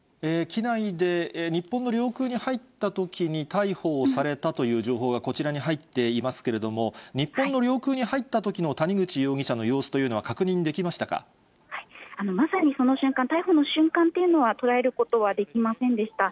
機内で日本の領空に入ったときに、逮捕をされたという情報がこちらに入っていますけれども、日本の領空に入ったときの谷口容疑者の様子というのは確認できままさにその瞬間、逮捕の瞬間というのは捉えることはできませんでした。